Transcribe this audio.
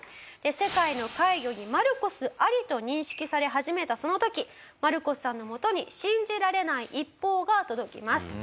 「世界の怪魚にマルコスあり」と認識され始めたその時マルコスさんのもとに信じられない一報が届きます。